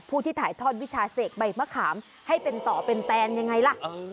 ที่ถ่ายทอดวิชาเสกใบมะขามให้เป็นต่อเป็นแตนยังไงล่ะ